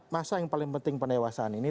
masa yang paling penting pendewasaan ini